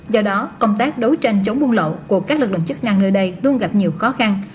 do đó công tác đấu tranh chống buôn lậu của các lực lượng chức năng nơi đây luôn gặp nhiều khó khăn